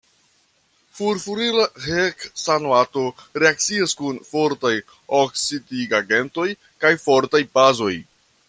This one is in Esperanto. Furfurila heksanoato reakcias kun fortaj oksidigagentoj kaj fortaj bazoj.